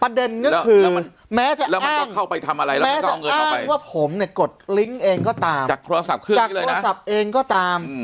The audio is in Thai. ประเด็นก็คือแม้จะอ้างแม้จะอ้างว่าผมเนี่ยกดลิงก์เองก็ตามจากโทรศัพท์เองก็ตาม